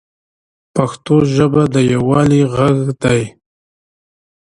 پښتو ژبه د یووالي ږغ دی.